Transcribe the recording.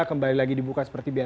kembali lagi dibuka sepertinya